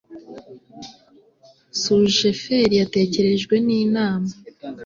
susheferi yatekerejwe n inama